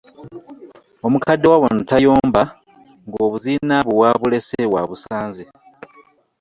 Omukadde wa wano tayomba ng'obuzinabwe wabulese wabusanze.